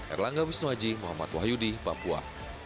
erlangga wisnuaji muhammad wahyudi papua